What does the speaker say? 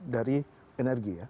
dari energi ya